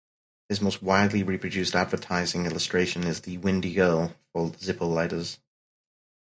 His most widely reproduced advertising illustration is the "Windy Girl" for Zippo lighters.